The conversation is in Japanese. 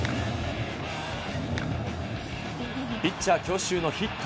ピッチャー強襲のヒット。